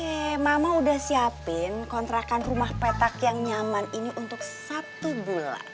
oke mama udah siapin kontrakan rumah petak yang nyaman ini untuk satu bulan